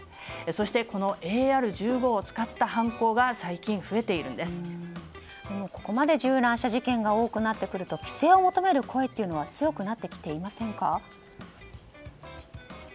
そしてこのＡＲ１５を使った犯行がここまで銃乱射事件が多くなってくると規制を求める声は強くなってきていませんか？